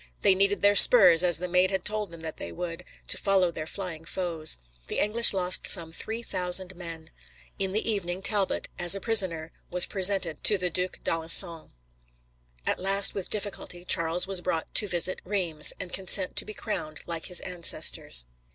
They needed their spurs, as the Maid had told them that they would, to follow their flying foes. The English lost some 3,000 men. In the evening, Talbot, as a prisoner, was presented to the Duc d'Alençon. At last, with difficulty, Charles was brought to visit Reims and consent to be crowned like his ancestors.